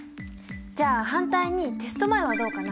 じゃあ反対にテスト前はどうかな？